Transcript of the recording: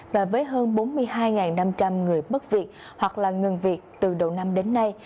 và với hơn bốn mươi hai năm trăm linh người mất việc hoặc là ngừng việc từ đầu năm đến nay